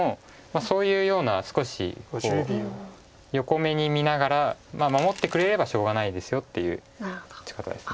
そういうような少し横目に見ながら守ってくれればしょうがないですよっていう打ち方です。